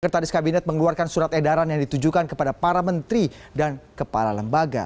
sekretaris kabinet mengeluarkan surat edaran yang ditujukan kepada para menteri dan kepala lembaga